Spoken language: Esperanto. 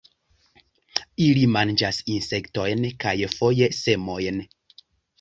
Ili manĝas insektojn kaj foje semojn.